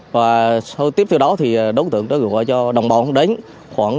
và đối tượng đã bỏ trốn